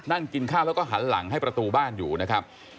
นั่งกินข้าวแล้วก็หันหลังให้ประตูบ้านอยู่นะครับ